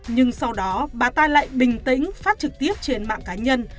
nhưng sau đó bà ta lại bình tĩnh phát trực tiếp trên mạng cá nhân